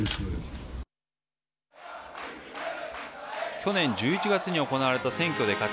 去年１１月に行われた選挙で勝ち